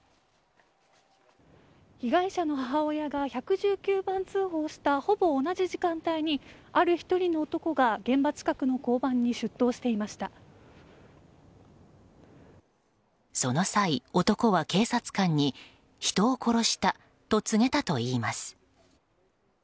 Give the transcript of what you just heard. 被害者の母親が１１９番通報したほぼ同じ時間帯にある１人の男が現場近くの交番にその際、男は警察官に人を殺したと告げたといいます。